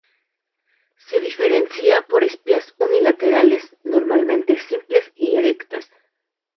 Se diferencia por sus espigas unilaterales, normalmente simples y erectas.